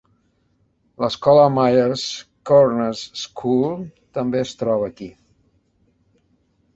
L'escola Myers Corners School també es troba aquí.